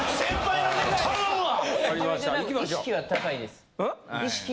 頼むわ！